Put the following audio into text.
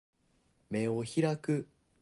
眼を開く